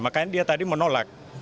makanya dia tadi menolak